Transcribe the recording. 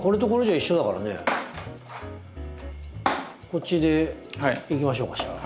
こっちでいきましょうかしら。